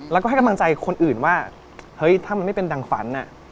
แล้วก็ให้กำลังใจคนอื่นว่าเฮ้ยถ้ามันไม่เป็นดังฝัน